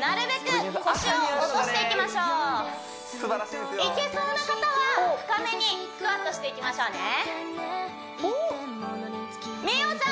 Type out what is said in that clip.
なるべく腰を落としていきましょういけそうな方は深めにスクワットしていきましょうね美桜ちゃん